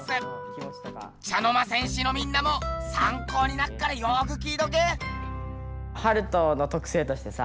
茶の間戦士のみんなも参考になっからよく聞いとけ。